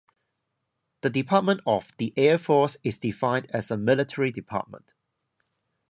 The Department of the Air Force is defined as a "Military Department".